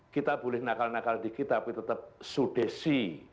kita boleh nakal nakal dikit tapi tetap sudesi